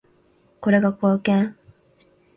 これが貢献？